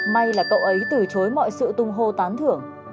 may là cậu ấy từ chối mọi sự tung hô tán thưởng